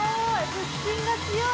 腹筋が強い！